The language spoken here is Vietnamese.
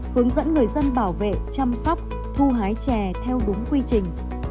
hướng dẫn người dân bảo vệ chăm sóc thu hái chè theo đúng quy trình